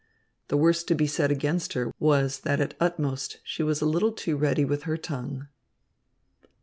The worst to be said against her was that at utmost she was a little too ready with her tongue.